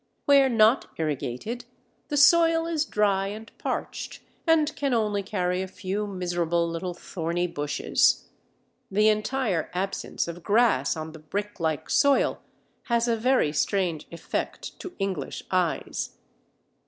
Where not irrigated, the soil is dry and parched and can only carry a few miserable little thorny bushes. The entire absence of grass on the brick like soil has a very strange effect to English eyes.